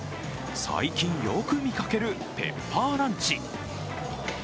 最近よく見かけるペッパーランチ。